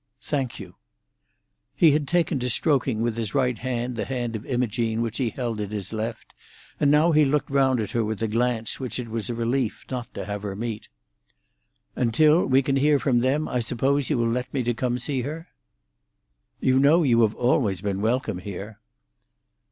"Thank you." He had taken to stroking with his right hand the hand of Imogene which he held in his left, and now he looked round at her with a glance which it was a relief not to have her meet. "And till we can hear from them, I suppose you will let me come to see her?" "You know you have always been welcome here."